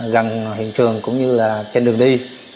gần hiện trường cũng như là trên đường đi